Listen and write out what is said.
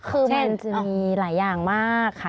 คือมันจะมีหลายอย่างมากค่ะ